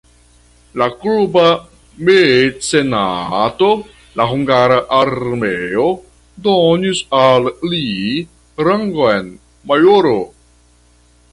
La kluba mecenato (la hungara armeo) donis al li rangon majoro.